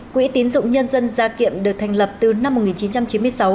quỹ tín dụng nhân dân gia kiệm được thành lập từ năm một nghìn chín trăm chín mươi sáu